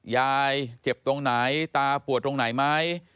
ยายเจ็บตรงไหนตาปวดตรงไหนไหม